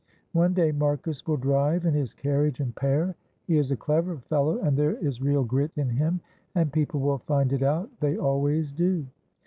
One day Marcus will drive in his carriage and pair. He is a clever fellow and there is real grit in him, and people will find it out, they always do.